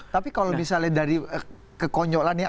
tapi kalau misalnya dari kekonyolan ya